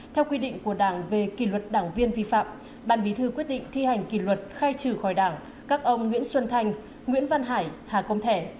theo quy định của đảng về kỷ luật đảng viên vi phạm ban bí thư quyết định thi hành kỷ luật khai trừ khỏi đảng các ông nguyễn xuân thành nguyễn văn hải hà công thẻ